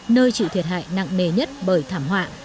nơi chịu thiệt hại nặng nề nhất bởi thảm họa